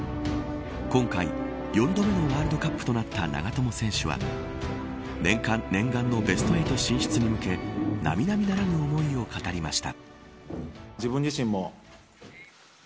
今回、４度目のワールドカップとなった長友選手は念願のベスト８進出に向け並々ならぬ思いを語りました。